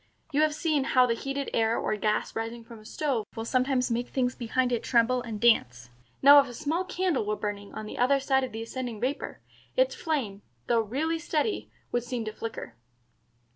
You have seen how the heated air or gas rising from a stove will sometimes make things behind it tremble and dance. Now if a small candle were burning on the other side of the ascending vapor, its flame, though really steady, would seem to flicker."